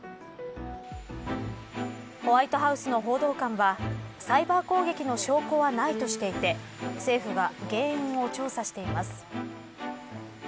ホワイトハウスの報道官はサイバー攻撃の証拠はないとしていて政府が原因を調査しています。